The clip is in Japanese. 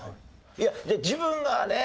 いや自分がね